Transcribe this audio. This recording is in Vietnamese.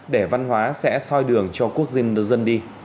để văn hóa sẽ soi đường cho quốc dân đi